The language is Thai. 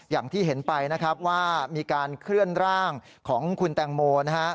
อย่างที่เห็นไปนะครับว่ามีการเคลื่อนร่างของคุณแตงโมนะฮะ